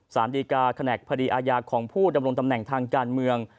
สารดีกาแขนกคดีอาญาของผู้ดำรงตำแหน่งทางการเมือง